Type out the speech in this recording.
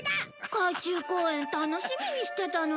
海中公園楽しみにしてたのに。